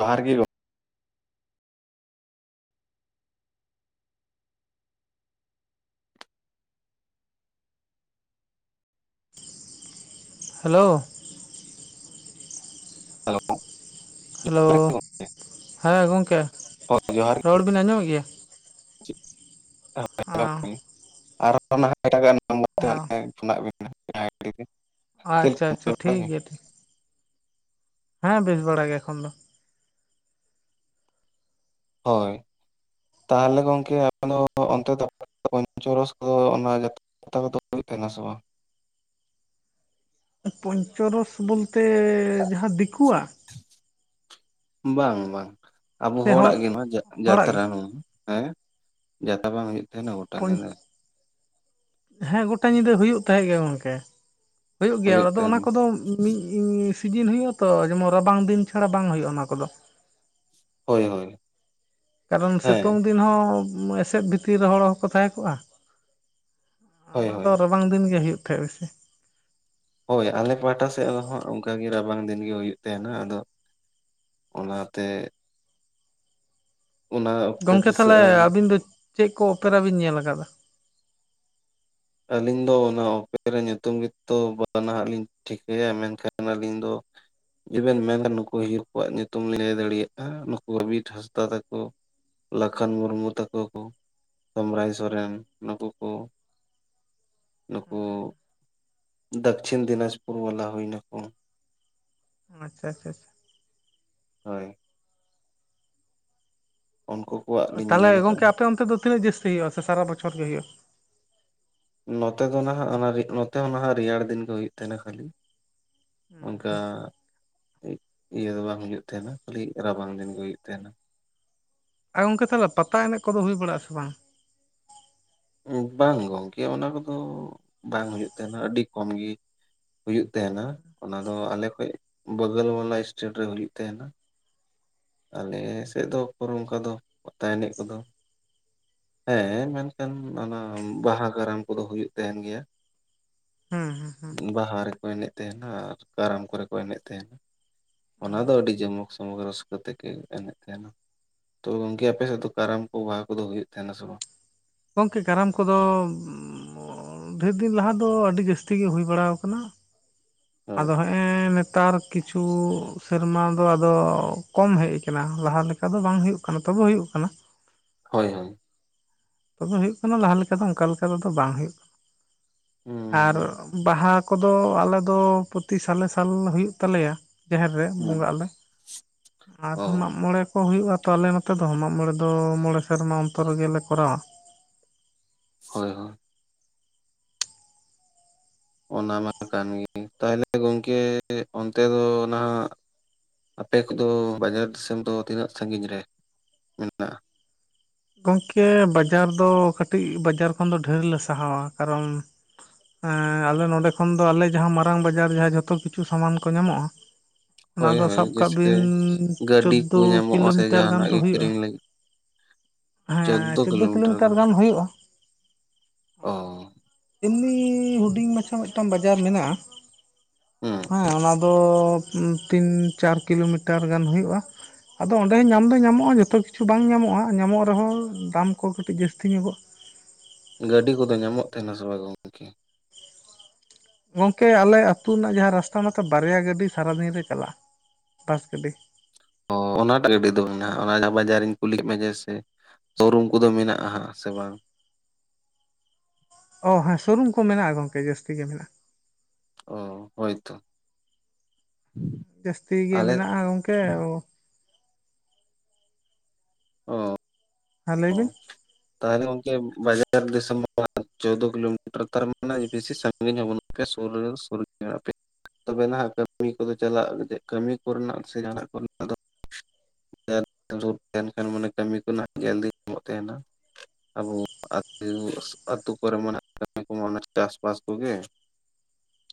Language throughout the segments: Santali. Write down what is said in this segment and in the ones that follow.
ᱡᱚᱦᱟᱨ ᱜᱤ, ᱦᱮᱞᱳ, ᱦᱮᱞᱳ ᱡᱚᱦᱟᱨ ᱦᱮᱞᱳ ᱜᱮ ᱜᱚᱢᱠᱮ ᱦᱮᱸ ᱜᱚᱝᱠᱮ ᱦᱳᱭ ᱡᱚᱦᱟᱨ ᱨᱚᱲ ᱵᱤᱱ ᱟᱸᱡᱚᱢᱮᱫ ᱜᱮᱭᱟ, [unintelligible] ᱚ ᱟᱨᱦᱚᱸ ᱱᱟᱦᱟᱜ ᱮᱴᱟᱜᱟᱜ ᱱᱟᱢᱵᱟᱨ ᱛᱮ ᱦᱮᱱᱟᱜ ᱵᱮᱱᱟ, ᱟᱪᱪᱷᱟ ᱟᱪᱷᱟ ᱵᱟᱲᱟ ᱴᱷᱤᱠ ᱜᱮ? ᱜᱮᱭᱟ ᱴᱷᱤᱠ ᱦᱮᱸ ᱵᱮᱥ ᱵᱟᱲᱟ ᱜᱮ ᱮᱠᱷᱚᱱ ᱫᱚ, ᱦᱳᱭ ᱛᱟᱦᱚᱞᱮ ᱜᱚᱝᱠᱮ ᱟᱫᱚ ᱚᱱᱛᱮ ᱯᱚᱧ ᱨᱚᱨᱚᱥ ᱚᱱᱟ ᱡᱚᱛ ᱯᱟᱛᱟ ᱠᱚᱫᱚ ᱦᱩᱭᱩᱜ ᱛᱟᱦᱮᱱᱟ ᱥᱮ ᱵᱟᱝ᱾ ᱯᱚᱧᱪᱚᱨᱚᱥ ᱵᱚᱞᱛᱮ ᱡᱟᱦᱟᱸ ᱫᱤᱠᱩᱣᱟᱜ, ᱾ ᱵᱟᱝ ᱵᱟᱝ ᱟᱵᱚ ᱥᱮ ᱦᱚᱲ ᱦᱚᱲᱟᱜ ᱜᱮ ᱦᱟᱸᱜ ᱱᱚᱣᱟ ᱡᱟ ᱦᱚᱲᱟᱜ ᱡᱟᱛᱨᱟ ᱜᱮ ᱱᱚᱣᱟ ᱦᱮᱸ ᱡᱟᱛᱟ ᱵᱟᱝ ᱦᱩᱭᱩᱜ ᱛᱟᱦᱮᱸᱱᱟ᱾ ᱞᱚᱧ ᱦᱮᱸ ᱜᱚᱴᱟ ᱧᱤᱫᱟᱹ ᱦᱩᱭᱩᱜ ᱛᱟᱦᱮᱸᱜ ᱜᱮᱭᱟ ᱜᱚᱝᱠᱮ, ᱦᱩᱭᱩᱜ ᱜᱮᱭᱟ ᱟᱫᱚ ᱚᱱᱟ ᱠᱚᱫᱚ ᱢᱤᱫ ᱥᱤᱡᱤᱱ ᱦᱩᱭᱩᱜᱼᱟ ᱛᱚ ᱡᱮᱢᱚᱱ ᱨᱟᱵᱟᱝ ᱫᱤᱱ ᱪᱷᱟᱲᱟ ᱵᱟᱝ ᱦᱩᱭᱩᱜᱼᱟ ᱚᱱᱟ ᱠᱚᱫᱚ ᱦᱳᱭ ᱦᱳᱭ ᱠᱟᱨᱚᱱ ᱦᱮᱸ ᱥᱤᱛᱩᱝ ᱫᱤᱱ ᱦᱚᱸ ᱮᱥᱮᱫ ᱵᱷᱤᱛᱤᱨ ᱨᱮ ᱦᱚᱲ ᱦᱚᱸᱠᱚ ᱛᱟᱦᱮᱸ ᱠᱚᱜᱼᱟ, ᱦᱳᱭ ᱚᱱᱟ ᱦᱳᱭ ᱫᱚ ᱨᱟᱵᱟᱝ ᱫᱤᱱ ᱜᱮ ᱦᱩᱭᱩᱜ ᱛᱟᱦᱮᱸᱜ ᱵᱮᱥᱤ᱾ ᱦᱳᱭ, ᱟᱞᱮ ᱯᱟᱦᱴᱟ ᱥᱮᱫ ᱫᱚ ᱦᱟᱸᱜ ᱚᱱᱠᱟᱜᱮ ᱨᱟᱵᱟᱝ ᱫᱤᱱ ᱜᱮ ᱦᱩᱭᱩᱜ ᱛᱮᱦᱮᱱᱟ ᱟᱫᱚ ᱚᱱᱟᱛᱮ ᱚᱱᱟ ᱚᱠᱛᱮ ᱜᱚᱝᱠᱮ ᱛᱟᱦᱚᱞᱮ, ᱫᱤᱥᱟᱹᱜᱼᱟ ᱵᱚᱞᱮ ᱟᱵᱤᱱ ᱫᱚ ᱪᱮᱫ ᱠᱚ ᱚᱯᱮᱨᱟ ᱵᱤᱱ ᱧᱮᱞ ᱟᱠᱟᱫᱟ? ᱟᱹᱞᱤᱧ ᱫᱚ ᱚᱱᱟ ᱚᱯᱮᱨᱮ ᱧᱩᱛᱩᱢ ᱜᱮᱛᱚ ᱵᱟᱱᱟᱦᱟᱜ ᱞᱤᱧ ᱴᱷᱤᱠᱟᱹᱭᱟ ᱢᱮᱱᱠᱷᱟᱱ ᱟᱹᱞᱤᱧ ᱫᱚ ᱡᱩᱫᱤ ᱵᱤᱱ ᱢᱮᱱᱟ ᱱᱩᱠᱩ ᱤᱭᱟᱹ ᱠᱚᱣᱟᱜ ᱧᱩᱛᱩᱢ ᱞᱟᱹᱭ ᱫᱟᱲᱮᱭᱟᱜᱼᱟ ᱱᱩᱠᱩ ᱟᱵᱤᱨ ᱦᱟᱸᱥᱫᱟ ᱛᱟᱠᱚ, ᱞᱟᱠᱷᱟᱱ ᱢᱩᱨᱢᱩ ᱛᱟᱠᱚ ᱠᱚ ᱥᱚᱢᱨᱟᱭ ᱥᱚᱨᱮᱱ ᱱᱩᱠᱩ ᱠᱚ᱾ ᱱᱩᱠᱩ, ᱫᱟᱠᱪᱦᱷᱤᱱ ᱫᱤᱱᱟᱡᱽᱯᱩᱨ ᱵᱟᱞᱟ ᱦᱩᱭᱱᱟᱠᱚ᱾ ᱟᱪᱷᱟ ᱟᱪᱷᱟ᱾ ᱦᱳᱭ᱾ ᱩᱱᱠᱩ᱾ ᱠᱚᱣᱟᱜ ᱞᱤᱧ ᱛᱟᱦᱚᱞᱮ, ᱧᱮᱞ ᱜᱚᱝᱠ ᱟᱠᱟᱫᱼᱟ ᱟᱯᱮ ᱚᱱᱛᱮ ᱫᱚ ᱛᱤᱱᱟᱹᱜ ᱡᱟᱹᱥᱛᱤ ᱦᱩᱭᱩᱜᱼᱟ, ᱥᱮ ᱥᱟᱨᱟ ᱵᱚᱪᱷᱚᱨ ᱜᱮ ᱦᱩᱭᱩᱜᱼᱟ? ᱱᱚᱛᱮ ᱫᱚ ᱱᱟᱦᱟᱜ ᱚᱱᱟ ᱚᱲᱟ ᱱᱚᱛᱮ ᱦᱚᱸ ᱱᱟᱦᱟᱜ ᱨᱮᱭᱟᱲ ᱫᱤᱱ ᱜᱮ ᱦᱩᱭᱩᱜ ᱛᱟᱦᱮᱱᱟ ᱠᱷᱟᱹᱞᱤ᱾ ᱚᱱᱠᱟ᱾ ᱤᱭᱟᱹ ᱫᱚ ᱵᱟᱝ ᱦᱩᱭᱩᱜ ᱛᱟᱦᱮᱸᱱᱟ ᱠᱷᱟᱹᱞᱤ ᱨᱟᱵᱟᱝ ᱫᱤᱱ ᱜᱮ ᱦᱩᱭᱩᱜ ᱛᱟᱦᱮᱸᱱᱟ᱾ ᱟᱨ ᱜᱚᱝᱠᱮ ᱛᱟᱦᱚᱞᱮ ᱯᱟᱛᱟ ᱮᱱᱮᱡ ᱠᱚᱫᱚ ᱦᱩᱭ ᱵᱟᱲᱟᱜᱼᱟ ᱥᱮ ᱵᱟᱝ? ᱵᱟᱝ ᱜᱚᱝᱠᱮ ᱚᱱᱟ ᱠᱚᱫᱚ ᱵᱟᱝ ᱦᱩᱭᱩᱜ ᱛᱟᱦᱮᱸᱱᱟ ᱟᱹᱰᱤ ᱠᱚᱢ ᱜᱤ᱾ ᱦᱩᱭᱩᱜ ᱛᱟᱦᱮᱸᱱᱟ ᱚᱱᱟ ᱫᱚ ᱟᱞᱮ ᱠᱷᱚᱡ ᱵᱟᱹᱜᱚᱞ ᱵᱟᱞᱟ ᱥᱴᱮᱴ ᱨᱮ ᱦᱩᱭᱩᱜ ᱛᱟᱦᱮᱸᱱᱟ᱾ ᱟᱞᱮ ᱥᱮᱫ ᱫᱚ ᱩᱠᱩᱨ ᱚᱱᱠᱟ ᱫᱚ ᱯᱟᱛᱟ ᱮᱱᱮᱡ ᱠᱚᱫᱚ ᱦᱮᱸ, ᱢᱮᱱᱠᱷᱟᱱ ᱚᱱᱟ ᱵᱟᱦᱟ ᱠᱟᱨᱟᱢ ᱠᱚᱫᱚ ᱦᱩᱭᱩᱜ ᱛᱟᱦᱮᱱ ᱜᱮᱭᱟ᱾ ᱦᱮᱸ, ᱦᱮᱸ ᱦᱮᱸ᱾ ᱵᱟᱦᱟ ᱨᱮᱠᱚ ᱮᱱᱮᱡ ᱛᱟᱦᱮᱱᱟ ᱟᱨ ᱠᱟᱨᱟᱢ ᱠᱚᱨᱮ ᱠᱚ ᱮᱱᱮᱡ ᱛᱟᱦᱮᱱᱟ᱾ ᱚᱱᱟ ᱫᱚ ᱟᱹᱰᱤ ᱡᱚᱢᱚᱠ ᱥᱚᱢᱚᱠ ᱨᱟᱹᱥ ᱠᱚᱛᱮᱠ ᱮᱱᱮᱫ ᱛᱟᱦᱮᱱᱟ, ᱛᱚ ᱜᱚᱢᱠᱮ ᱟᱯᱮ ᱥᱮᱫ ᱫᱚ ᱠᱟᱨᱟᱢ ᱠᱚ ᱵᱟᱦᱟ ᱠᱚᱫᱚ ᱦᱩᱭᱩᱜ ᱛᱟᱦᱮᱱᱟ ᱥᱮ ᱵᱟᱝ? ᱜᱚᱢᱠᱮ, ᱠᱟᱨᱟᱢ ᱠᱚᱫᱚ ᱰᱷᱮᱨ ᱫᱤᱱ ᱞᱟᱦᱟ ᱫᱚ ᱟᱹᱰᱤ ᱡᱟᱹᱥᱛᱤ ᱜᱮ ᱦᱩᱭ ᱵᱟᱲᱟ ᱣᱟᱠᱟᱱᱟ᱾ ᱦᱮᱸ ᱟᱫᱚ ᱦᱮᱜ ᱮᱸᱻ ᱱᱮᱛᱟᱨ ᱠᱤᱪᱷᱩ ᱥᱮᱨᱢᱟ ᱫᱚ ᱟᱫᱚ ᱠᱚᱢ ᱦᱮᱡ ᱟᱠᱟᱱᱟ ᱞᱟᱦᱟ ᱞᱮᱠᱟ ᱫᱚ ᱵᱟᱝ ᱦᱩᱭᱩᱜ ᱠᱟᱱᱟ, ᱛᱚᱵᱮ ᱦᱩᱭᱩᱜ ᱠᱟᱱᱟ᱾ ᱦᱳᱭ, ᱦᱳᱭ᱾ ᱛᱚᱵᱮ ᱦᱩᱭᱩᱜ ᱠᱟᱱᱟ ᱞᱟᱦᱟ ᱞᱮᱠᱟ ᱫᱚ ᱚᱱᱠᱟ ᱞᱮᱠᱟ ᱫᱚ ᱟᱫᱚ ᱵᱟᱝ ᱦᱩᱭᱩᱜ ᱠᱟᱱᱟ, ᱟᱨ ᱦᱩᱸ ᱵᱟᱦᱟ ᱠᱚᱫᱚ ᱟᱞᱮ ᱫᱚ ᱯᱨᱚᱛᱤ ᱥᱟᱞᱮ ᱥᱟᱞ ᱦᱩᱭᱩᱜ ᱛᱟᱞᱮᱭᱟ᱾ ᱡᱟᱦᱮᱨ ᱨᱮ, ᱦᱩᱸ ᱵᱚᱸᱜᱟ ᱟᱞᱮ ᱚ ᱟᱨᱦᱚᱸ ᱢᱟᱜ ᱢᱚᱬᱮ ᱠᱚ ᱦᱩᱭᱩᱜᱼᱟ ᱛᱚ ᱟᱞᱮ ᱱᱚᱛᱮ ᱫᱚ ᱢᱟᱜ ᱢᱚᱬᱮ ᱫᱚ ᱢᱚᱬᱮ ᱥᱮᱨᱢᱟ ᱚᱱᱛᱚᱨ ᱨᱮᱜᱮ ᱞᱮ ᱠᱚᱨᱟᱣᱟ᱾ ᱦᱳᱭ, ᱦᱳᱭ᱾ ᱚᱱᱟ ᱢᱟᱛᱚ ᱠᱟᱱ ᱜᱤᱭᱟᱹ, ᱛᱟᱦᱚᱞᱮ ᱜᱚᱝᱠᱮ ᱚᱱᱛᱮ ᱫᱚ ᱱᱟᱦᱟᱜ ᱟᱯᱮ ᱠᱚᱫᱚ, ᱵᱟᱡᱟᱨ ᱫᱤᱥᱚᱢ ᱫᱚ ᱛᱤᱱᱟᱹᱜ ᱥᱟᱺᱜᱤᱧ ᱨᱮ ᱢᱮᱱᱟᱜᱼᱟ? ᱜᱚᱢᱠᱮ, ᱵᱟᱡᱟᱨ ᱫᱚ ᱠᱟᱹᱴᱤᱡ ᱵᱟᱡᱟᱨ ᱠᱷᱚᱱ ᱫᱚ ᱰᱷᱮᱨᱞᱮ ᱥᱟᱦᱟᱣᱟ᱾ ᱠᱟᱨᱚᱱ ᱮᱸᱟᱞᱮ ᱱᱚᱸᱰᱮ ᱠᱷᱚᱱ ᱫᱚ ᱟᱞᱮ ᱡᱟᱦᱟᱸ ᱢᱟᱨᱟᱝ ᱵᱟᱡᱟᱨ ᱡᱟᱦᱟᱸ ᱡᱚᱛᱚ ᱠᱤᱪᱷᱩ ᱥᱟᱢᱟᱱ ᱠᱚ ᱧᱟᱢᱚᱜᱼᱟ ᱚᱱᱟ ᱫᱚ ᱦᱳᱭ-ᱦᱳᱭ ᱥᱟᱵ ᱠᱟᱜ ᱡᱮᱥᱛᱮ ᱵᱤᱱ ᱜᱟᱹᱰᱤ ᱠᱚ ᱪᱳᱫᱫᱳ ᱧᱟᱢᱚᱜᱼᱟ, ᱥᱮ ᱠᱤᱞᱳᱢᱤᱴᱟᱨ ᱜᱟᱱ ᱡᱟᱦᱟᱱᱟᱜ ᱜᱮ ᱠᱤᱨᱤᱧ ᱞᱟᱹᱜᱤᱫ᱾ ᱦᱮᱸᱻ ᱪᱳᱫᱳ ᱠᱤᱞᱳᱢᱤᱴᱟᱨ ᱜᱟᱱ ᱦᱩᱭᱩᱜᱼᱟ᱾ ᱚ ᱾ ᱮᱢᱱᱤᱻ ᱦᱩᱰᱤᱧ ᱢᱟᱪᱷᱟ ᱢᱤᱫᱴᱟᱝ ᱵᱟᱡᱟᱨ ᱢᱮᱱᱟᱜᱼᱟ᱾ ᱦᱩᱸ ᱦᱮᱸ ᱚᱱᱟ ᱛᱚ ᱛᱤᱱ ᱪᱟᱨ ᱠᱤᱞᱳᱢᱤᱴᱟᱨ ᱜᱟᱱ ᱦᱩᱭᱩᱜᱼᱟ᱾ ᱟᱫᱚ ᱚᱱᱰᱮᱦᱚᱸ ᱧᱟᱢᱫᱚ ᱧᱟᱢᱚᱜ-ᱟ ᱡᱚᱛᱚ ᱠᱤᱪᱷᱩ ᱵᱟᱝ ᱧᱟᱢᱚᱜᱼᱟ, ᱧᱟᱢᱚᱜ ᱨᱮᱦᱚᱸ ᱫᱟᱢ ᱠᱚ ᱠᱟᱹᱴᱤᱡ ᱡᱟᱹᱥᱛᱤ ᱧᱚᱜᱚᱜᱼᱟ᱾ ᱜᱟᱹᱰᱤ ᱠᱚᱫᱚ ᱧᱟᱢᱚᱜ ᱛᱟᱦᱮᱱᱟ ᱥᱮ ᱵᱟᱝᱜ ᱜᱚᱝᱠᱮ? ᱜᱚᱝᱠᱮ ᱟᱞᱮ ᱟᱹᱛᱩ ᱨᱮᱱᱟᱜ ᱡᱟᱦᱟᱸ ᱨᱟᱥᱛᱟ ᱢᱟᱛᱚ ᱵᱟᱨᱭᱟ ᱜᱟᱹᱰᱤ ᱥᱟᱨᱟᱫᱤᱱ ᱨᱮ ᱪᱟᱞᱟᱜᱼᱟ᱾ ᱵᱟᱥ ᱜᱟᱹᱰᱤ᱾ ᱚ ᱚᱱᱟᱴᱟᱜ ᱜᱟᱹᱰᱤ ᱫᱚ ᱢᱮᱱᱟᱜᱼᱟ ᱚᱱᱟ ᱵᱟᱡᱟᱨᱤᱧ ᱠᱩᱞᱤᱭᱮᱫ ᱢᱮᱭᱟ ᱡᱮᱭᱥᱮ, ᱥᱳᱨᱩᱢ ᱠᱚᱫᱚ ᱢᱮᱱᱟᱜᱼᱟ ᱦᱟᱸᱜ ᱥᱮ ᱵᱟᱝ? ᱚ ᱦᱮᱸ ᱥᱳᱨᱩᱢ ᱠᱚ ᱢᱮᱱᱟᱜᱼᱟ ᱜᱚᱝᱠᱮ ᱡᱟᱹᱥᱛᱤ ᱜᱮ ᱢᱮᱱᱟᱜᱼᱟ᱾ ᱚ, ᱦᱳᱭᱛᱚ᱾ ᱡᱟᱹᱥᱛᱤ ᱜᱮ ᱟᱞᱮ ᱢᱮᱱᱟᱜᱼᱟ ᱜᱚᱝᱠᱮ᱾ᱚ ᱚ ᱾ ᱦᱮᱸ ᱞᱟᱹᱭᱵᱤᱱ? ᱛᱟᱦᱚᱞᱮ ᱜᱚᱝᱠᱮ ᱵᱟᱡᱟᱨ ᱫᱤᱥᱚᱢ ᱪᱚᱳᱫᱚ ᱠᱤᱞᱳᱢᱤᱴᱟᱨ ᱛᱟᱨ ᱢᱟᱱᱮ ᱵᱮᱥᱤ ᱥᱟᱺᱜᱤᱧ ᱨᱮ ᱵᱟᱱᱩᱜ ᱞᱮᱭᱟ, ᱥᱩᱨ ᱨᱮᱜᱮ ᱥᱩᱨ ᱨᱮ ᱢᱮᱱᱟᱜ ᱯᱮᱭᱟ ᱾ ᱛᱚᱵᱮ ᱱᱟᱦᱟᱜ ᱠᱟᱹᱢᱤ ᱠᱚᱫᱚ ᱪᱟᱞᱟᱜ ᱠᱟᱹᱢᱤ ᱠᱚᱨᱮᱱᱟᱜ ᱥᱮ ᱡᱟᱦᱱᱟᱜ ᱠᱚᱨᱮᱱᱟᱜ ᱫᱚᱼᱼ [inaudible] ᱢᱟᱱᱮ ᱠᱟᱹᱢᱤ ᱠᱚᱨᱮᱱᱟᱜ [inaudible] ᱜᱮᱞ ᱫᱤᱱ ᱧᱟᱢᱚᱜ ᱛᱟᱦᱮᱱᱟ ᱟᱵᱚᱛ ᱟᱹᱛᱩ ᱠᱚᱨᱮ ᱢᱟᱱᱟᱦ ᱠᱟᱹᱢᱤ ᱠᱚᱢᱟ ᱚᱱᱟ ᱪᱟᱥᱵᱟᱥ ᱠᱚᱜᱮ᱾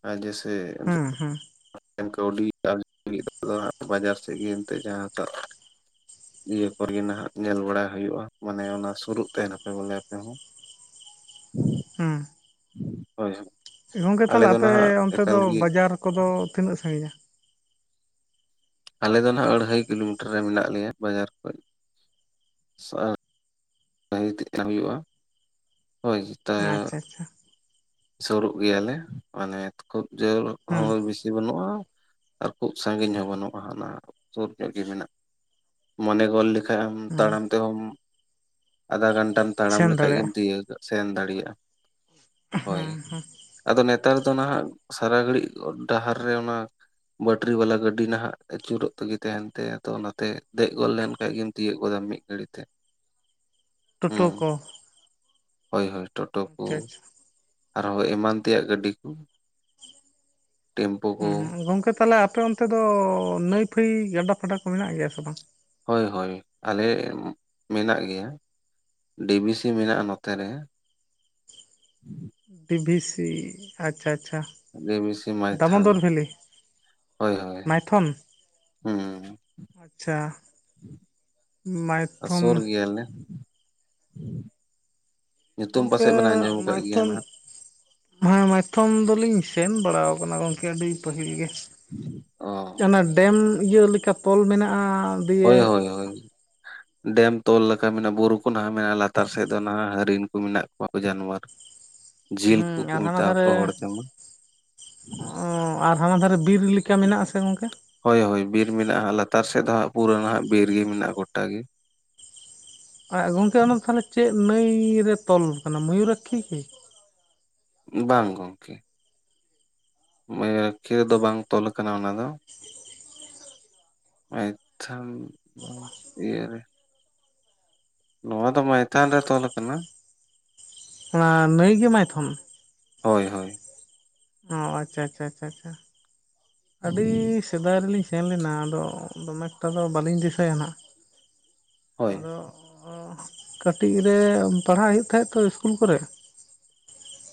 ᱟᱨ ᱡᱮᱥᱮᱼᱼ ᱦᱩᱸ ᱦᱩᱸ ᱠᱟᱹᱣᱰᱤ [inaudible] ᱵᱟᱡᱟᱨ ᱥᱮᱫ ᱜᱮ ᱮᱱᱛᱮ ᱡᱟᱦᱟᱸᱴᱟᱼᱼ ᱤᱭᱟᱹ ᱠᱚᱨᱮᱜᱮ ᱱᱟᱦᱟᱜ ᱧᱮᱞ ᱵᱟᱲᱟᱭ ᱦᱩᱭᱩᱜᱼᱟ ᱢᱟᱱᱮ ᱚᱱᱟ ᱥᱩᱨᱩᱜ ᱛᱟᱦᱮᱱᱟᱯᱮ ᱵᱚᱞᱮ ᱟᱯᱮ ᱦᱚᱸ᱾ ᱦᱩᱸ᱾ ᱦᱳᱭ, ᱦᱳᱭ᱾ ᱜᱚᱝᱠᱮ ᱟᱞᱮ ᱛᱟᱦᱚᱞᱮ ᱫᱚ ᱟᱯᱮ, ᱱᱟᱦᱟᱜ ᱚᱱᱛᱮ ᱮᱠᱟᱞ ᱫᱚ ᱜᱮ ᱵᱟᱡᱟᱨ ᱠᱚᱫᱚ ᱛᱤᱱᱟᱹᱜ ᱥᱟᱺᱜᱤᱧᱟ? ᱟᱞᱮ ᱫᱚ ᱱᱟᱦᱟᱜ ᱟᱹᱲᱦᱟᱹᱭ ᱠᱤᱞᱳᱢᱤᱴᱟᱨ ᱨᱮ ᱢᱮᱱᱟᱜ ᱞᱮᱭᱟ ᱵᱟᱡᱟᱨ ᱠᱷᱚᱱ᱾ [inaudible] ᱛᱮᱫ ᱦᱩᱭᱩᱜᱼᱟ, ᱦᱳᱭ ᱾ ᱟᱪᱷᱟ, ᱟᱪᱷᱟ᱾ ᱥᱩᱨᱩᱜ ᱜᱮᱭᱟᱞᱮ, ᱢᱟᱱᱮ ᱠᱷᱩᱵ ᱡᱳᱨ ᱦᱩᱸ᱾ ᱵᱤᱥᱤ ᱵᱟᱹᱱᱩᱜᱼᱟ, ᱟᱨ ᱠᱷᱩᱵ ᱥᱟᱺᱜᱤᱧ ᱦᱚᱸ ᱵᱟᱹᱱᱩᱜᱼᱟ ᱦᱟᱱᱟ ᱥᱩᱨ ᱥᱮ ᱜᱮ ᱢᱮᱱᱟᱜᱼᱟ ᱾ ᱢᱚᱱᱮ ᱦᱚᱞ [unintelligible] ᱮᱠᱷᱟᱜ ᱟᱢ ᱦᱩᱸ ᱛᱟᱲᱟᱢ ᱛᱮᱦᱚᱢ ᱟᱫᱷᱟ ᱜᱷᱟᱱᱴᱟᱢ ᱛᱟᱲᱟᱢ ᱥᱮᱱ ᱞᱮᱠᱷᱟᱡ ᱜᱮᱢ ᱫᱟᱲᱮᱭᱟᱜᱼᱟ ᱛᱤᱭᱟᱹᱜᱟᱜ ᱥᱮᱱ ᱫᱟᱲᱮᱭᱟᱜᱼᱟ᱾ [inaudible] ᱦᱳᱭ ᱦᱩᱸ ᱟᱫᱚ ᱱᱮᱛᱟᱨ ᱫᱚ ᱱᱟᱦᱟᱜ ᱥᱟᱨᱟ ᱜᱷᱟᱹᱲᱤᱡ ᱰᱟᱦᱟᱨ ᱨᱮ ᱚᱱᱟ᱾ ᱵᱟᱹᱴᱨᱤ ᱵᱟᱞᱟ ᱜᱟᱹᱰᱤ ᱱᱟᱦᱟᱜ ᱟᱹᱪᱩᱨᱚᱜ ᱛᱮᱜᱮ ᱛᱟᱦᱮᱸᱱ ᱛᱟᱭᱟ ᱛᱚ ᱚᱱᱟᱛᱮ ᱫᱮᱜ ᱜᱚᱫ ᱞᱮᱱᱠᱷᱟᱱ ᱜᱮᱢ ᱛᱤᱭᱟᱜ ᱜᱚᱫᱟ ᱢᱤᱫ [inaudible] ᱜᱷᱟᱹᱲᱤᱜ ᱛᱮ ᱴᱳᱴᱳ ᱦᱩᱸ ᱠᱚ ᱦᱳᱭ ᱦᱳᱭ ᱴᱳᱴᱳ ᱠᱚ ᱟᱪᱪᱷᱟ ᱟᱪᱪᱷᱟ ᱟᱨᱦᱚᱸ ᱮᱢᱟᱱ ᱛᱮᱭᱟᱜ ᱜᱟᱹᱰᱤ ᱠᱚ ᱾ ᱩᱸ ᱜᱚᱝᱠᱮ ᱛᱟᱦᱞᱮ ᱟᱯᱮ ᱚᱱᱛᱮ ᱫᱚ ᱱᱟᱹᱭ ᱯᱷᱟᱹᱭ ᱜᱟᱰᱟ ᱯᱷᱟᱰᱟ ᱠᱚ ᱢᱮᱱᱟᱜ ᱜᱮᱭᱟ ᱥᱮ ᱵᱟᱝ? ᱦᱳᱭ ᱦᱳᱭ ᱟᱞᱮᱻ ᱢᱮᱱᱟᱜ ᱜᱮᱭᱟ᱾ ᱰᱤᱵᱤᱥᱤ ᱢᱮᱱᱟᱜᱼᱟ ᱱᱚᱛᱮ ᱨᱮ ᱾ ᱵᱤᱵᱤᱥᱤ ᱟᱪᱪᱷᱟ ᱟᱪᱪᱷᱟ ᱾ ᱰᱤᱵᱤᱥᱤ ᱢᱟᱭᱛᱷᱟᱱ ᱦᱳᱭ ᱦᱳᱭ ᱱᱟᱭᱛᱷᱚᱱ ᱦᱩᱸ ᱟᱪᱪᱷᱟ ᱟᱨ ᱢᱟᱭᱛᱷᱚᱱ ᱥᱩᱨ ᱜᱮᱭᱟᱞᱮ ᱧᱩᱛᱩᱢ ᱜᱚᱝᱠᱮ ᱯᱟᱥᱮᱜ ᱵᱮᱱ ᱟᱸᱡᱚᱢ ᱟᱠᱟᱜ ᱜᱮᱭᱟ ᱢᱟᱭᱛᱷᱚᱱ ᱱᱷᱟᱜ ᱾ [unintelligible] ᱦᱮᱸ ᱢᱟᱭᱛᱷᱚᱢ ᱫᱚᱞᱤᱧ ᱥᱮᱱ ᱵᱟᱲᱟᱣ ᱟᱠᱟᱱᱟ ᱜᱚᱝᱠᱮ ᱟᱹᱰᱤ ᱯᱟᱹᱦᱤᱞ ᱜᱮ ᱾ ᱚ [unintelligible] ᱱᱟ ᱰᱮᱢ ᱤᱭᱟᱹ ᱞᱮᱠᱟ ᱛᱚᱞ ᱢᱮᱱᱟᱜᱼᱟ ᱾ ᱦᱳᱭ ᱦᱳᱭ ᱦᱳᱭ ᱰᱮᱢ ᱛᱚᱞ ᱞᱮᱠᱟ ᱢᱮᱱᱟᱜᱼᱟ ᱵᱩᱨᱩ ᱠᱚ ᱱᱟᱦᱟᱜ ᱢᱮᱱᱟᱜᱼᱟ ᱞᱟᱛᱟᱨ ᱥᱮᱜ ᱫᱚ ᱱᱟᱦᱟᱜ ᱦᱟᱹᱨᱤᱱ ᱠᱚ ᱢᱮᱱᱟᱜ ᱠᱚᱣᱟ ᱠᱚ ᱡᱟᱱᱣᱟᱨ ᱾ ᱡᱤᱞ ᱦᱮᱸ ᱠᱚᱠᱚ ᱟᱨ ᱦᱟᱱᱟ ᱢᱮᱛᱟᱣᱟ ᱫᱷᱟᱨᱮ ᱠᱚᱣᱟ ᱦᱚᱲ ᱛᱮᱢᱟ ᱾ ᱟᱨ ᱦᱟᱱᱟ ᱫᱷᱟᱨᱮ ᱵᱤᱨ ᱞᱤᱠᱟ ᱢᱮᱱᱟᱜ ᱟᱥᱮ ᱜᱚᱝᱠᱮ? ᱦᱳᱭ ᱦᱳᱭ ᱵᱤᱨ ᱢᱮᱱᱟᱜᱼᱟ ᱞᱟᱛᱟᱨ ᱥᱮᱫ ᱫᱚ ᱦᱟᱸᱜ ᱯᱩᱨᱟᱹ ᱱᱷᱟᱜ ᱵᱤᱨ ᱜᱮ ᱢᱮᱱᱟᱜᱼᱟ ᱜᱚᱴᱟ ᱜᱮ᱾ [unintelligible] ᱜᱚᱝᱠᱮ ᱚᱱᱟ ᱛᱟᱦᱞᱮ ᱪᱮᱜ ᱱᱟᱹᱭ ᱨᱮ ᱛᱚᱞ ᱟᱠᱟᱱᱟ ᱢᱚᱭᱩᱨᱟᱠᱠᱷᱤ ᱠᱤ ᱵᱟᱝ ᱜᱚᱝᱠᱮ ᱢᱚᱭᱩᱨᱟᱠᱠᱷᱤ ᱨᱮ ᱫᱚ ᱵᱟᱝ ᱛᱚᱞ ᱟᱠᱟᱱᱟ ᱚᱱᱟ ᱫᱚ᱾ ᱢᱮᱭᱛᱷᱚᱱ ᱤᱭᱟ ᱨᱮ, ᱱᱚᱣᱟ ᱫᱚ ᱢᱟᱭᱛᱷᱟᱱ ᱨᱮ ᱛᱚᱞ ᱟᱠᱟᱱᱟ᱾ ᱚᱱᱟ ᱱᱟᱹᱭ ᱜᱮ ᱢᱟᱭᱛᱷᱚᱱ? ᱦᱳᱭ ᱦᱳᱭ ᱚ ᱟᱪᱪᱷᱟ ᱟᱪᱷᱟ ᱟᱪᱷᱟ ᱟᱪᱷᱟ ᱟᱹᱰᱤ ᱥᱮᱫᱟᱭ ᱨᱮᱞᱤᱧ ᱥᱮᱱ ᱞᱮᱱᱟ ᱟᱫᱚ ᱫᱚᱢᱮ ᱮᱠᱴᱟ ᱫᱚ ᱵᱟᱹᱞᱤᱧ ᱫᱤᱥᱟᱭᱟ ᱱᱟᱦᱟᱸᱜ ᱦᱳᱭ ᱟᱫᱚ ᱠᱟᱹᱴᱤᱜ ᱨᱮ ᱯᱟᱲᱦᱟᱜ ᱦᱩᱭᱩᱜ ᱛᱟᱦᱮᱸᱜ ᱛᱚ ᱤᱥᱠᱩᱞ ᱠᱚᱨᱮ,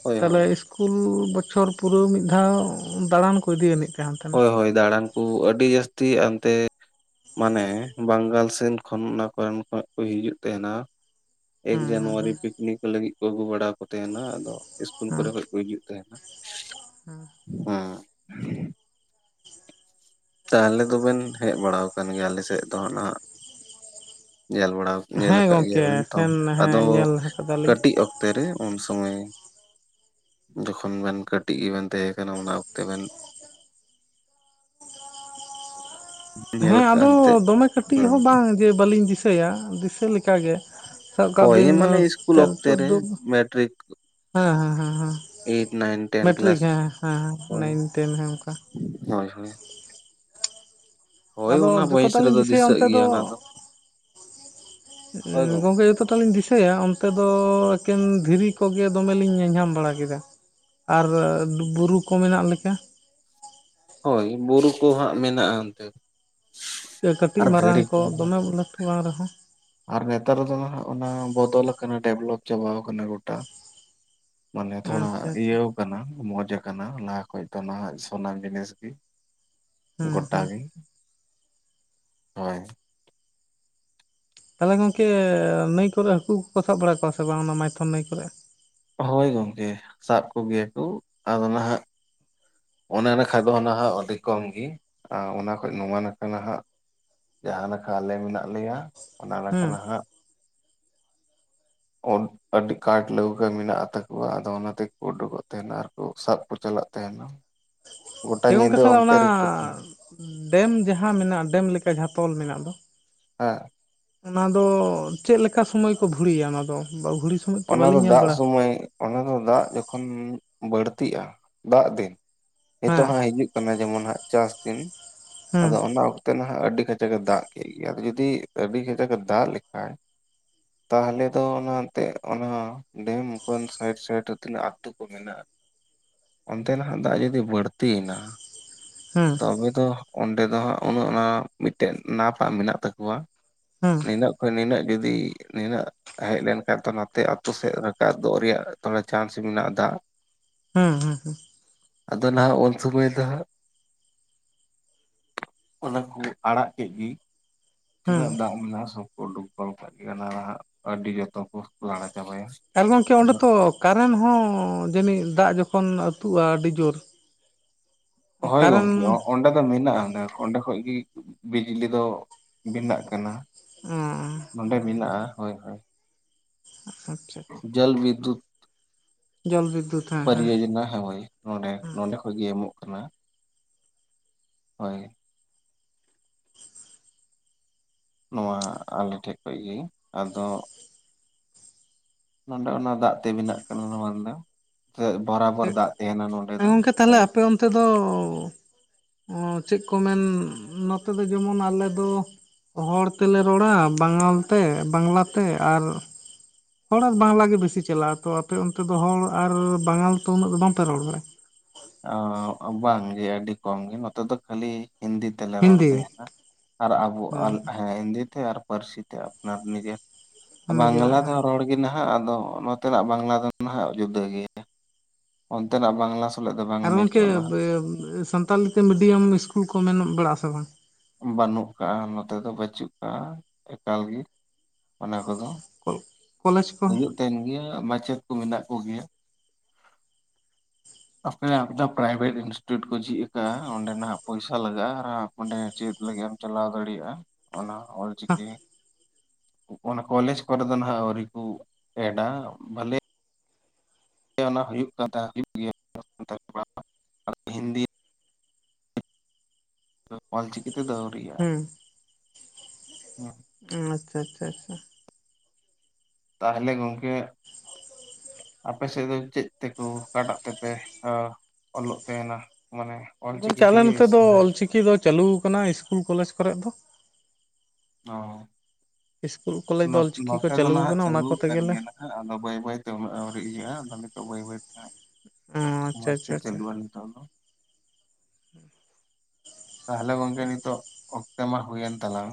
ᱦᱳᱭ ᱦᱳᱭ ᱛᱟᱞᱮ ᱤᱥᱠᱩᱞ ᱵᱚᱪᱷᱚᱨ ᱯᱩᱨᱟᱹᱣ ᱢᱤᱫ ᱫᱷᱟᱣ ᱫᱟᱬᱟᱱ ᱠᱚ ᱤᱫᱤᱭᱟᱱᱤᱡ ᱾ ᱦᱳᱭ [unintelligible] ᱦᱳᱭ ᱫᱟᱬᱟᱱ ᱠᱩ ᱟᱹᱰᱤ ᱡᱟᱹᱥᱛᱤ ᱟᱱᱛᱮ ᱢᱟᱱᱮ ᱵᱟᱝᱜᱟᱞ ᱥᱮᱱ ᱠᱷᱚᱱ ᱚᱱᱟ ᱠᱚᱨᱮᱱ ᱠᱷᱚᱱ ᱠᱚ ᱦᱤᱡᱩᱜ ᱛᱟᱦᱮᱸᱱᱟ᱾ ᱮᱠ ᱦᱮᱸ ᱡᱟᱱᱩᱣᱟᱨᱤ ᱦᱮᱸ ᱯᱤᱠᱱᱤᱠ ᱞᱟᱹᱜᱤᱫ ᱠᱚ ᱟᱹᱜᱩ ᱵᱟᱲᱟ ᱠᱚ ᱛᱟᱦᱮᱸᱱᱟ ᱟᱫᱚ? ᱤᱥᱠᱩᱞ ᱦᱮᱸ ᱠᱚᱨᱮ ᱠᱷᱚᱡ ᱠᱚ ᱦᱤᱡᱩᱜ ᱛᱟᱦᱮᱱᱟ [unintelligible] ᱛᱟᱦᱞᱮ ᱫᱚ ᱵᱮᱱ ᱦᱮᱡ ᱵᱟᱲᱟᱣᱟᱠᱟᱱ ᱜᱮᱭᱟ ᱟᱞᱮ ᱥᱮᱜ ᱫᱚ ᱱᱷᱟᱜ ᱧᱮᱞ ᱵᱟᱲᱟᱣ, ᱦᱮᱸ ᱧᱮᱞ ᱦᱮᱸ ᱟᱠᱟᱫ ᱜᱚᱝᱠᱮ ᱜᱮᱭᱟᱵᱮᱱ ᱛᱚ, ᱥᱮᱱ ᱦᱮᱸ ᱟᱫᱚ ᱧᱮᱞ ᱟᱠᱟᱫᱟᱞᱤᱧ ᱠᱟᱹᱴᱤᱡ ᱚᱠᱛᱚ ᱨᱮ ᱩᱱ ᱥᱚᱢᱚᱭ ᱡᱚᱠᱷᱚᱱ ᱵᱮᱱ ᱠᱟᱹᱴᱤᱡ ᱜᱮᱵᱮᱱ ᱛᱟᱦᱮᱸ ᱠᱟᱱᱟ ᱚᱱᱟ ᱚᱠᱛᱮ ᱵᱮᱱ [unintelligible] ᱾ ᱧᱮᱞ ᱦᱮᱸ ᱟᱠᱟᱫᱼᱟ ᱟᱫᱚ ᱮᱱᱛᱮᱫ ᱫᱚᱢᱮ ᱠᱟᱹᱴᱤᱜ ᱦᱮᱸ ᱦᱚᱸ ᱵᱟᱝ ᱡᱮ ᱵᱟᱹᱞᱤᱧ ᱫᱤᱥᱟᱹᱭᱟ ᱫᱤᱥᱟᱹ ᱞᱮᱠᱟᱜᱮ ᱾ ᱥᱟᱵ ᱠᱟᱜ ᱦᱳᱭ ᱵᱤᱱ ᱢᱟᱱᱮ ᱤᱥᱠᱩᱞ ᱛᱮ [unintelligible] ᱚᱠᱛᱮ ᱨᱮ ᱪᱚᱫᱫᱳ᱾ ᱢᱮᱴᱨᱤᱠ ᱦᱮᱸ ᱦᱮᱸ ᱦᱮᱸ ᱦᱮᱸ eight nine ten matric class ᱦᱮᱸ ᱦᱮᱸ ᱦᱮᱸ ᱦᱮᱸ ᱦᱳᱭ ᱱᱟᱭᱤᱱ ᱴᱮᱱ ᱦᱮᱸ ᱚᱱᱠᱟ ᱾ ᱦᱳᱭ ᱦᱳᱭ ᱦᱳᱭ ᱟᱫᱚ ᱚᱱᱟ ᱵᱚᱭᱮᱥ ᱡᱚᱛᱚᱴᱟ ᱞᱤᱧ ᱨᱮᱫᱚ ᱫᱤᱥᱟᱹᱭᱟ ᱫᱤᱥᱟᱹᱜ ᱚᱱᱛᱮ ᱜᱮᱭᱟ ᱫᱚ ᱚᱱᱟ ᱦᱳᱭ ᱜᱚᱝ ᱜᱚᱝᱠᱮ ᱡᱚᱛᱚ, [unintelligible] ᱞᱤᱧ ᱫᱤᱥᱟᱹᱭᱟ ᱚᱱᱛᱮ ᱫᱚ ᱮᱠᱮᱱ ᱫᱷᱤᱨᱤ ᱠᱚᱜᱮ ᱫᱚᱢᱮᱞᱤᱧ ᱧᱮᱞᱧᱟᱢ ᱵᱟᱲᱟ ᱠᱮᱫᱟ ᱾ ᱟᱨ ᱵᱩᱨᱩ ᱠᱚ ᱢᱮᱱᱟᱜ ᱞᱮᱠᱟ ᱾ ᱦᱳᱭ ᱵᱩᱨᱩ ᱠᱚ ᱦᱟᱸᱜ ᱢᱮᱱᱟᱜᱼᱟ, ᱚᱱᱛᱮ ᱥᱮ ᱠᱟᱹᱴᱤᱡ ᱟᱨ ᱫᱷᱤᱨᱤ ᱢᱟᱨᱟᱝ ᱠᱚ ᱠᱚᱦᱚᱸ ᱫᱚᱢᱮ ᱢᱮᱱᱟᱜᱼᱟ ᱞᱟᱹᱴᱩ ᱵᱟᱝ ᱨᱮᱦᱚᱸ ᱟᱨ ᱱᱮᱛᱟᱨ ᱫᱚ ᱚᱱᱟ ᱵᱚᱫᱚᱞ ᱟᱠᱟᱱᱟ ᱰᱮᱵᱷᱞᱚᱯ ᱪᱟᱵᱟ ᱟᱠᱟᱱᱟ ᱜᱚᱴᱟ ᱾ ᱢᱟᱱᱮ ᱛᱷᱚᱲᱟ ᱟᱪᱪᱷᱟ ᱟᱪᱪᱷᱟ ᱤᱭᱟᱹᱣ ᱟᱠᱟᱱᱟ ᱢᱚᱸᱡᱽ ᱟᱠᱟᱱᱟ ᱞᱟᱦᱟ ᱠᱷᱚᱡ ᱫᱚ ᱱᱟᱦᱟᱜ ᱥᱟᱱᱟᱢ ᱡᱤᱱᱤᱥ ᱜᱤ ᱾ ᱦᱮᱸ ᱜᱚᱴᱟ ᱦᱮᱸ ᱜᱮ, ᱦᱳᱭ ᱛᱟᱦᱚᱞᱮ ᱜᱚᱝᱠᱮ ᱱᱟᱹᱭ ᱠᱚᱨᱮ ᱦᱟᱹᱠᱩ ᱠᱚᱯᱮ ᱥᱟᱵ ᱵᱟᱲᱟ ᱠᱚᱣᱟ ᱥᱮ ᱵᱟᱝ ᱚᱱᱟ ᱢᱟᱭᱛᱷᱚᱱ ᱱᱟᱹᱭ ᱠᱚᱨᱮ, ᱦᱳᱭ ᱜᱚᱝᱠᱮ ᱥᱟᱵ ᱠᱚᱜᱮᱭᱟ ᱠᱚ ᱟᱫᱚ ᱱᱟᱦᱟᱜ, ᱚᱱᱟ ᱱᱟᱠᱷᱟ ᱫᱚ ᱱᱟᱦᱟᱜ ᱟᱹᱰᱤ ᱠᱚᱢ ᱜᱮ ᱚᱱᱟ ᱠᱷᱚᱡ ᱱᱚᱣᱟ ᱱᱟᱠᱷᱟ ᱱᱟᱦᱜ ᱡᱟᱦᱟᱸᱱᱟᱠᱷᱟᱦ ᱟᱞᱮ ᱢᱮᱱᱟᱜ ᱞᱮᱭᱟ ᱚᱱᱟ ᱱᱟᱠᱷᱟᱦ ᱦᱮᱸ ᱱᱟᱦᱟᱜ ᱟᱹᱰᱤ ᱠᱟᱴ ᱞᱟᱹᱣᱠᱟᱹ ᱢᱮᱱᱟᱜᱼᱟ, ᱛᱟᱠᱚᱣᱟ ᱟᱫᱚ ᱚᱱᱟ ᱛᱮᱠᱚ ᱩᱰᱩᱜᱼᱚᱜ ᱛᱟᱦᱮᱫ ᱟᱨᱠᱩ ᱥᱟᱵ ᱠᱚ ᱪᱟᱞᱟᱜ ᱛᱟᱦᱮᱫ, [inaudible] ᱦᱮᱸ ᱜᱚᱝᱠᱮ ᱛᱟᱦᱚᱞᱮ ᱚᱱᱟ ᱛᱤᱸᱜᱩ ᱰᱮᱢ ᱡᱟᱦᱟᱸ ᱢᱮᱱᱟᱜᱼᱟ ᱰᱮᱢ ᱞᱮᱠᱟ ᱡᱟᱦᱟᱸ ᱛᱚᱞ ᱢᱮᱱᱟᱜ ᱫᱚ ᱦᱟᱸ ᱚᱱᱟ ᱫᱚ ᱪᱮᱫ ᱞᱮᱠᱟ ᱥᱚᱢᱟᱹᱭ ᱠᱚ ᱵᱷᱩᱲᱤᱭᱟ ᱚᱱᱟ ᱫᱚ ᱵᱷᱩᱲᱤ ᱥᱚᱢᱚᱭ ᱛᱚ ᱚᱱᱟ ᱫᱚ ᱵᱟᱹᱞᱤᱧ ᱧᱮᱞ ᱫᱟᱜ ᱵᱟᱲᱟ ᱥᱩᱢᱚᱭ ᱚᱱᱟ ᱫᱚ ᱫᱟᱜ ᱡᱚᱠᱷᱚᱱ ᱵᱟᱹᱲᱛᱤᱜᱼᱟ ᱫᱟᱜ ᱫᱤᱱ ᱱᱤᱛᱚᱜ ᱦᱮᱸ ᱦᱟᱜ ᱦᱤᱡᱩᱜ, ᱠᱟᱱᱟ ᱡᱮᱢᱚᱱ ᱦᱟᱜ ᱪᱟᱥ ᱫᱤᱱ ᱦᱮᱸ ᱟᱫᱚ ᱚᱱᱟ ᱱᱟᱦᱟᱜ ᱟᱹᱰᱤ ᱠᱟᱡᱟᱠ ᱮ ᱫᱟᱜ ᱠᱮᱫ ᱜᱮ ᱟᱫᱚ ᱡᱩᱫᱤ ᱟᱹᱰᱤ ᱠᱟᱡᱟᱠ ᱮ ᱫᱟᱜ ᱞᱮᱠᱷᱟᱡ ᱛᱟᱦᱚᱞᱮ ᱫᱚ ᱚᱱᱟ ᱮᱱᱛᱮ ᱚᱱᱟ ᱰᱮᱢ ᱠᱷᱚᱱ ᱥᱟᱭᱤᱰ ᱥᱟᱭᱤᱰ ᱨᱮ ᱛᱤᱱᱟᱹᱜ ᱟᱛᱳ ᱠᱚ ᱢᱮᱱᱟᱜᱼᱟ ᱾ ᱚᱱᱛᱮ ᱱᱟᱦᱟᱜ ᱫᱟᱜ ᱡᱩᱫᱤ ᱵᱟᱹᱲᱛᱤ ᱮᱱᱟ ᱦᱮᱸ ᱛᱚᱵᱮ ᱫᱚ ᱚᱸᱰᱮ ᱫᱚ ᱦᱟᱸᱜ ᱚᱱᱮ ᱚᱱᱟ ᱢᱤᱫᱴᱮᱱ ᱱᱟᱯ ᱟᱜ ᱢᱮᱱᱟᱜ ᱛᱟᱠᱚᱣᱟ ᱦᱮᱸ ᱱᱤᱱᱟᱹᱜ ᱠᱷᱚᱡ ᱱᱤᱱᱟᱹᱜ ᱡᱩᱫᱤ ᱱᱤᱱᱟᱹᱜ ᱦᱮᱡ ᱞᱮᱱᱠᱷᱟᱱ ᱛᱚ ᱱᱚᱛᱮ ᱟᱛᱳ ᱥᱮᱫ ᱨᱟᱠᱟᱵ ᱵᱚᱜ ᱨᱮᱭᱟᱜ ᱪᱟᱱᱥ ᱢᱮᱱᱟᱜᱼᱟ ᱫᱟᱜ ᱦᱩᱸ ᱦᱮᱸ ᱦᱩᱸ ᱟᱫᱚ ᱱᱟᱦᱟᱜ ᱩᱱ ᱥᱢᱟᱹᱭ ᱫᱚ ᱦᱟᱜ ᱚᱱᱟ ᱠᱚ ᱟᱲᱟᱜ ᱠᱮᱫ ᱜᱤ ᱦᱩᱸ ᱛᱤᱱᱟᱹᱜ ᱫᱟᱜ ᱢᱮᱱᱟᱜᱼᱟ ᱥᱚᱵ ᱠᱚ ᱩᱰᱩᱠ ᱠᱟᱜ ᱜᱮᱭᱟ ᱦᱟᱜ ᱟᱹᱰᱤ ᱡᱚᱛᱚ ᱠᱚ ᱞᱟᱲᱟ ᱪᱟᱵᱟᱭᱟ ᱾ ᱟᱨ ᱜᱚᱢᱠᱮ ᱚᱸᱰᱮ ᱛᱚ ᱠᱟᱨᱮᱱ ᱦᱚᱸ ᱡᱟᱹᱱᱤᱡ ᱫᱟᱜ ᱡᱚᱠᱷᱚᱱ ᱟᱹᱛᱩᱜᱼᱟ ᱟᱹᱰᱤ ᱡᱳᱨ ᱾ ᱦᱳᱭ ᱜᱚᱢᱠᱮ ᱚᱸᱰᱮ ᱫᱚ ᱢᱮᱱᱟᱜᱼᱟ ᱚᱸᱰᱮ ᱚᱸᱰᱮ ᱠᱷᱚᱡ ᱜᱮ ᱵᱤᱡᱽᱞᱤ ᱫᱚ ᱵᱮᱱᱟᱣ ᱠᱟᱱᱟ ᱾ ᱚᱸᱻᱻ ᱚᱱᱸᱰᱮ ᱢᱮᱱᱟᱜᱼᱟ ᱦᱳᱭ ᱦᱳᱭ ᱟᱪᱪᱷᱟ ᱟᱪᱪᱷᱟ ᱡᱚᱞ ᱵᱤᱫᱫᱩᱛ ᱡᱚᱞ ᱵᱤᱫᱫᱩᱛ ᱯᱚᱨᱤᱡᱳᱡᱚᱱᱟ ᱦᱮ ᱦᱚᱭ ᱱᱚᱰᱮ, ᱱᱚᱰᱮ ᱠᱷᱚᱱᱮ ᱜᱮ ᱮᱢᱚᱜ ᱠᱟᱱᱟ᱾ ᱦᱳᱭ ᱱᱚᱣᱟ ᱟᱞᱤᱧ ᱴᱷᱮᱡ ᱠᱷᱚᱱ ᱜᱮ ᱟᱫᱚ ᱱᱚᱸᱰᱮ ᱚᱱᱟ ᱫᱟᱜ ᱛᱮ ᱵᱮᱱᱟᱜ ᱠᱟᱱᱟ ᱱᱚᱣᱟ ᱫᱚ ᱵᱚᱨᱟᱵᱚᱨ ᱫᱟᱜ ᱛᱟᱦᱮᱱᱟ ᱱᱚᱰᱮ ᱫᱚ ᱞᱟᱹᱭ ᱱᱚᱛᱮ ᱫᱚ ᱪᱮᱫ ᱠᱚ ᱢᱮᱱ ᱱᱚᱛᱮ ᱫᱚ ᱡᱮᱢᱚᱱ ᱟᱞᱮ ᱫᱚ ᱦᱚᱲ ᱛᱮᱞᱮ ᱨᱚᱲᱟ ᱵᱟᱝᱟᱞ ᱛᱮ ᱵᱟᱝᱞᱟ ᱛᱮ ᱟᱨ ᱦᱚᱲ ᱟᱨ ᱵᱟᱝᱞᱟ ᱜᱮ ᱵᱤᱥᱤ ᱪᱟᱞᱟᱜᱼᱟ ᱛᱚ ᱟᱯᱮ ᱚᱱᱛᱮ ᱫᱚ ᱦᱚᱲ ᱟᱨ ᱵᱟᱝᱟᱞ ᱛᱚ ᱩᱱᱟᱹᱜ ᱫᱚ ᱵᱟᱝᱯᱮ ᱨᱚᱲ ᱵᱟᱲᱟᱭᱟ ᱚᱼ ᱵᱟᱝᱜᱮ ᱟᱹᱰᱤ ᱠᱚᱢ ᱜᱮ ᱱᱚᱛᱮ ᱫᱚ ᱠᱷᱟᱹᱞᱤ ᱦᱤᱱᱫᱤ ᱛᱮᱞᱮ ᱨᱚᱲ ᱦᱤᱱᱫᱤ ᱛᱟᱦᱮᱱᱟ ᱟᱨ ᱟᱵᱚ ᱦᱮᱸ ᱦᱤᱱᱫᱤ ᱛᱮ ᱟᱨ ᱯᱟᱹᱨᱥᱤ ᱛᱮ ᱟᱯᱱᱟᱨ ᱱᱤᱡᱮᱨ ᱱᱤᱡᱮᱨᱟᱜ ᱵᱟᱝᱞᱟ ᱫᱚ ᱦᱮᱸ ᱨᱚᱲ ᱜᱮ ᱱᱟᱦᱟᱜ ᱟᱫᱚ ᱱᱚᱛᱮᱱᱟᱜ ᱵᱟᱝᱞᱟ ᱫᱚ ᱱᱟᱦᱟᱜ ᱡᱩᱫᱟᱹ ᱜᱮᱭᱟ ᱚᱱᱛᱮᱱᱟᱜ ᱵᱟᱝᱞᱟ ᱥᱟᱞᱟᱜ ᱫᱚ ᱵᱟᱝ ᱦᱮᱸ ᱜᱚᱢᱠᱮ ᱢᱮᱪᱚᱜᱼᱟ ᱱᱟᱦᱟᱜ ᱥᱟᱱᱛᱟᱞᱤ ᱛᱮ ᱢᱤᱰᱤᱭᱟᱢ ᱤᱥᱠᱩᱞ ᱠᱚ ᱢᱮᱱᱚᱜ ᱵᱟᱲᱟᱜ ᱟᱥᱮ ᱵᱟᱝ? ᱵᱟᱹᱱᱩᱜ ᱟᱠᱟᱫᱼᱟ ᱱᱚᱛᱮ ᱫᱚ ᱵᱟᱹᱪᱩᱜ ᱟᱠᱟᱫᱼᱟ ᱮᱠᱟᱞ ᱜᱮ ᱚᱱᱟ ᱠᱚᱫᱚ [unintelligible] ᱠᱚᱞᱮᱡᱽ ᱠᱚ ᱦᱩᱭᱩᱜ ᱛᱟᱦᱮᱱ ᱜᱮᱭᱟ ᱢᱟᱪᱮᱫ ᱠᱚ ᱢᱮᱱᱟᱜ ᱠᱚᱜᱮᱭᱟ ᱟ ᱯᱮᱭᱟ ᱫᱚ [unintelligible] ᱯᱨᱟᱭᱵᱷᱮᱴ ᱤᱱᱥᱴᱤᱴᱩᱴ ᱠᱚ ᱡᱷᱤᱡ ᱟᱠᱟᱫᱼᱟ ᱚᱸᱰᱮ ᱱᱟᱜ ᱯᱚᱭᱥᱟ ᱞᱟᱜᱟᱜᱼᱟ ᱟᱨ ᱚᱸᱰᱮ ᱪᱮᱫ ᱞᱟᱹᱜᱤᱫ ᱮᱢ ᱪᱟᱞᱟᱣ ᱫᱟᱲᱮᱭᱟᱜᱼᱟ ᱚᱱᱟ ᱚᱞ ᱪᱤᱠᱤ ᱚᱱᱟ ᱠᱚᱞᱮᱡᱽ ᱠᱚᱨᱮ ᱫᱚ ᱱᱟᱜ ᱟᱹᱣᱨᱤ ᱠᱚ ᱮᱰᱟ ᱵᱚᱞᱮ ᱚᱱᱟ ᱦᱩᱭᱩᱜ ᱠᱟᱱ ᱛᱟᱦᱮᱸ ᱦᱩᱭᱩᱜ [inaudible] ᱜᱮᱭᱟᱛᱚ ᱦᱤᱱᱫᱤ ᱚᱞ ᱪᱤᱠᱤ ᱛᱮᱫᱚ ᱟᱹᱣᱨᱤ ᱭᱟ ᱦᱮᱸ ᱦᱮᱸ [inaudible] ᱟᱪᱪᱷᱟ ᱟᱪᱪᱷᱟ ᱟᱪᱪᱷᱟ ᱾ ᱛᱟᱦᱚᱞᱮ ᱜᱚᱢᱠᱮ ᱟᱯᱮ ᱥᱮᱫ ᱫᱚ ᱪᱮᱫ ᱛᱮᱠᱚ ᱟᱠᱟᱴᱟᱜ ᱛᱮᱯᱮ ᱦᱟ ᱚᱞᱚᱜ ᱛᱟᱦᱮᱱᱟ ᱢᱟᱱᱮ ᱜᱚᱢᱠᱮ ᱟᱞᱮ ᱛᱮᱜᱮ ᱱᱚᱛᱮ ᱫᱚ ᱥᱮ ᱚᱞ ᱪᱤᱠᱤ ᱫᱚ ᱪᱟᱹᱞᱩ ᱟᱠᱟᱱᱟ ᱤᱥᱠᱩᱞ ᱠᱚᱞᱮᱡᱽ ᱠᱚᱨᱮ ᱫᱚ ᱦᱚᱸᱼ ᱤᱥᱠᱩᱞ ᱠᱚᱞᱮᱡᱽ ᱫᱚ ᱚᱞᱪᱤᱠᱤ ᱠᱚ ᱱᱚᱛᱮ ᱫᱚ ᱱᱟᱦᱟᱜ ᱟᱠᱟᱱᱟ ᱚᱱᱟ ᱪᱟᱹᱞᱩ ᱠᱚᱛᱮ ᱟᱠᱟᱱ ᱜᱮᱞᱮ ᱜᱮᱭᱟ ᱱᱟᱦ ᱦᱮᱸ ᱟᱫᱚ ᱵᱟᱹᱭ ᱵᱟᱹᱭᱛᱮ ᱩᱱᱟᱹᱜ ᱟᱹᱣᱨᱤ ᱤᱭᱟᱹᱼᱟ, ᱟᱫᱚ ᱱᱤᱛᱚᱜ ᱵᱟᱹᱭ ᱵᱟᱹᱭ ᱛᱮ ᱚ ᱟᱪᱪᱷᱟ ᱢᱚᱡᱽ ᱛᱮ ᱟᱪᱪᱷᱟ ᱟᱪᱪᱷᱟ ᱪᱟᱹᱞᱩᱼᱟ [inaudible] ᱛᱟᱦᱚᱞᱮ ᱜᱚᱢᱠᱮ ᱱᱤᱛᱚᱜ ᱚᱠᱛᱚ ᱢᱟ ᱦᱩᱭᱮᱱ ᱛᱟᱞᱟᱝ